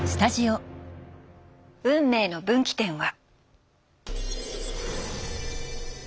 運命の分岐点は。